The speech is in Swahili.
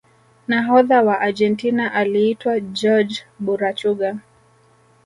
nahodha wa argentina aliitwa jorge burachuga